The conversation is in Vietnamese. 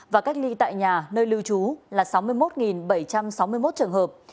và cách ly tại nhà nơi lưu trú là sáu mươi một bảy trăm sáu mươi một trường hợp